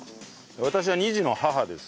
私は２児の母です。